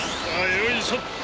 よいしょっと。